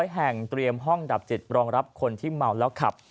แห่งเตรียมห้องดับจิตรองรับคนที่เมาแล้วขับ